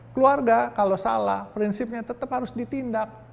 keluarga kalau salah prinsipnya tetap harus ditindak